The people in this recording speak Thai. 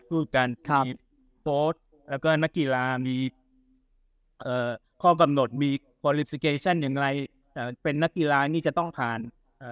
พูดกันแล้วก็นักกีฬามีเอ่อข้อกำหนดมีอย่างไรเอ่อเป็นนักกีฬานี่จะต้องผ่านเอ่อ